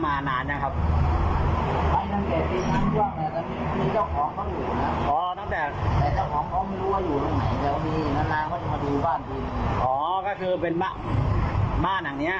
มันคงมันก้าวเข้ามาเสียอยู่ทุกรอบทีเข้ามาเสีย